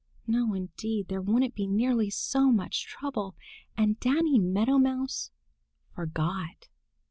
No, indeed, there wouldn't be nearly so much trouble. And Danny Meadow Mouse forgot.